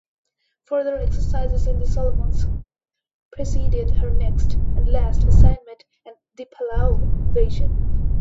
Further exercises in the Solomons preceded her next, and last, assignment, the Palau invasion.